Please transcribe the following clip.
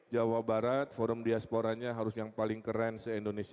jawa barat forum diasporanya harus yang paling keren se indonesia